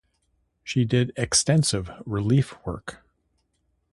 She did extensive relief work.